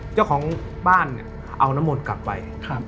เจ้าของบ้านเอาน้ำมนกลับไป